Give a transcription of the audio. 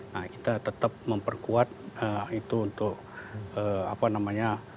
nah kita tetap memperkuat itu untuk apa namanya